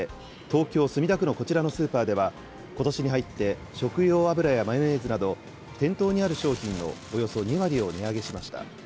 東京・墨田区のこちらのスーパーでは、ことしに入って食用油やマヨネーズなど店頭にある商品のおよそ２割を値上げしました。